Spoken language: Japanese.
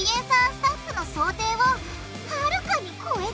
スタッフの想定をはるかに超えちゃった